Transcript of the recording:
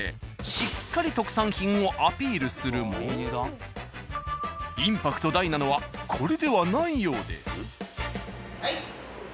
しっかり特産品をアピールするもインパクト大なのはこれではないようで。